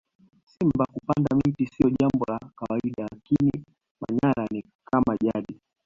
simba kupanda miti siyo Jambo la kawaida lakini manyara ni kama jadi